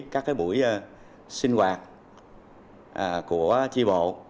các cái buổi sinh hoạt của tri bộ